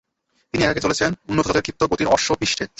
তিনি একাকী চলছেন উন্নত জাতের ক্ষিপ্ত গতির অশ্বপৃষ্ঠে।